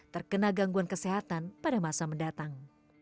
terkena gangguan kesehatan pada masa mendatang